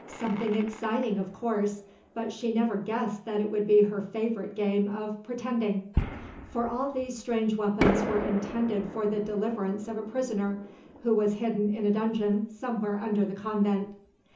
Something exciting, of course; but she never guessed that it would be her favourite game of 'pretending.' For all these strange weapons were intended for the deliverance of a prisoner who was hidden in a dungeon somewhere under the convent.